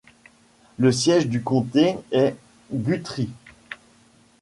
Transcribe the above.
Le siège du comté est Guthrie.